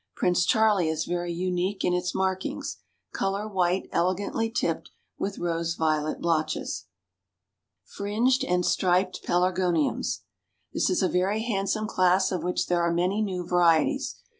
Prince Charlie is very unique in its markings. Color white elegantly tipped, with rose violet blotches. FRINGED AND STRIPED PELARGONIUMS. This is a very handsome class of which there are many new varieties.